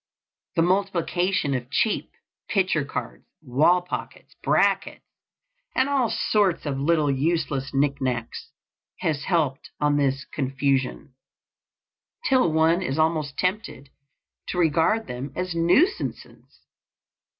The multiplication of cheap picture cards, wall pockets, brackets, and all sorts of little useless knicknacks, has helped on this confusion, till one is almost tempted to regard them as nuisances.